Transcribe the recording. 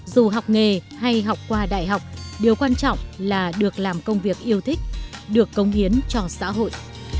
dù học nghề hay học qua đại học điều quan trọng là được làm công việc yêu thích được công hiến cho xã hội